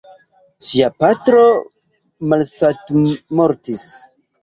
Ŝia patro malsatmortis.